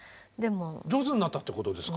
上手になったってことですか？